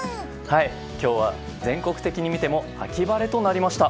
今日は全国的に見ても秋晴れとなりました。